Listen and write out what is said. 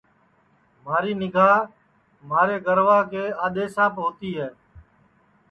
مہاری نیگھا مہارے گَروا کے آدؔیساپ ہوتی ہے